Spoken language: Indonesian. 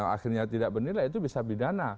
akhirnya tidak bernilai itu bisa pidana